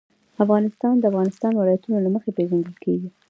افغانستان د د افغانستان ولايتونه له مخې پېژندل کېږي.